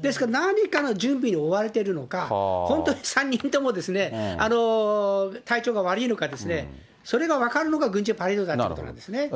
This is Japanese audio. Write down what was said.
ですから、何かの準備に追われているのか、本当に３人とも体調が悪いのか、それが分かるのが、軍事パレードだということなんですね。